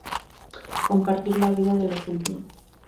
Compartir la vida de los últimos.